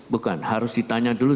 bukan harus ditanya dulu